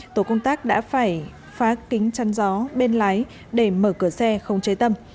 tổ công tác đã phải phá kính chăn gió bên lái để mở cửa xe không chế tâm